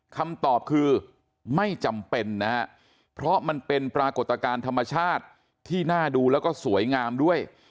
คำตอบคือไม่จำเป็นนะฮะเพราะมันเป็นปรากฏการณ์ธรรมชาติที่น่าดูแล้วก็สวยงามด้วย